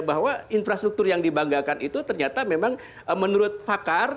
bahwa infrastruktur yang dibanggakan itu ternyata memang menurut pakar